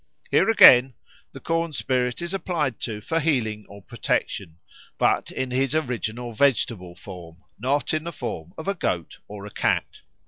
Here, again, the corn spirit is applied to for healing or protection, but in his original vegetable form, not in the form of a goat or a cat.